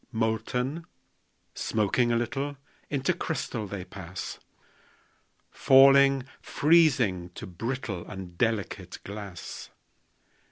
Molten, smoking a little, Into crystal they pass; Falling, freezing, to brittle And delicate glass.